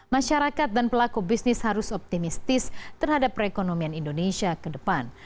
masyarakat dan pelaku bisnis harus optimistis terhadap perekonomian indonesia ke depan